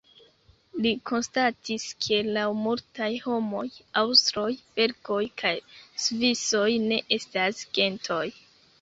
Li konstatis, ke laŭ multaj homoj, aŭstroj, belgoj kaj svisoj ne estas gentoj.